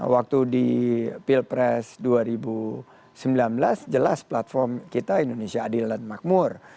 waktu di pilpres dua ribu sembilan belas jelas platform kita indonesia adil dan makmur